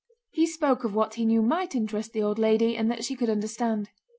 He spoke of what he knew might interest the old lady and that she could understand.